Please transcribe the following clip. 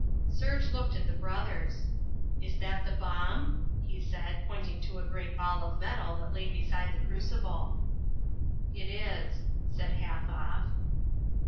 Serge looked at the brothers. "Is that the bomb?" he said, pointing at a great ball of metal that lay beside the crucible. "It is," said Halfoff.